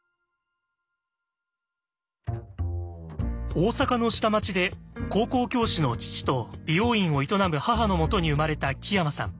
大阪の下町で高校教師の父と美容院を営む母のもとに生まれた木山さん。